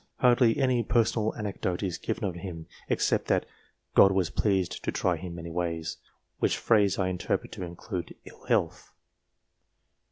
Hardly any personal anecdote is given of him, except that " God was pleased to try him many ways," which phrase I s 258 DIVINES interpret to include ill health.